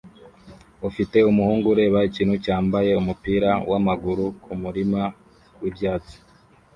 Ufite umuhungu ureba ikintu cyambaye umupira wamaguru kumurima wibyatsi